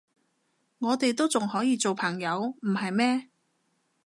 我哋都仲可以做朋友，唔係咩？